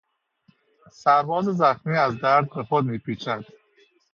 سرباز زخمی از درد به خود میپیچید.